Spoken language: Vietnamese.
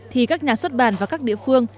thì các nhà xuất bản và các địa phương